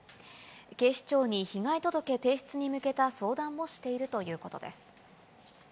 警視庁に被害届提出に向けた相談もしているということです。